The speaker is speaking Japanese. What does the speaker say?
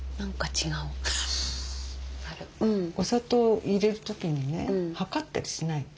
お砂糖入れる時にね量ったりしないの。